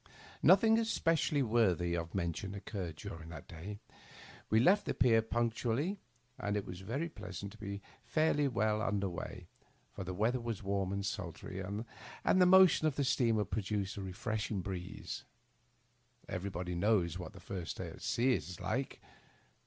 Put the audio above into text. Nothing especially worthy of mention occurred during that day. We left the pier punctually, and it was very pleasant to be fairly underway, for the weather was warm and sultry, and the motion of the steamer produced a refreshing breeze. Everybody knows what the first day at sea is like.